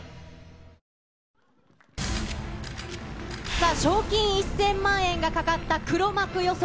さあ、賞金１０００万円がかかった黒幕予想。